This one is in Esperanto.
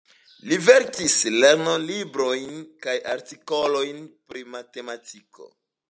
Li verkis lernolibrojn kaj artikolojn pri matematiko.